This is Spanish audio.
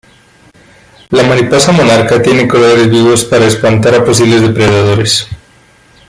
La mariposa monarca tiene colores vivos para espantar a posibles depredadores.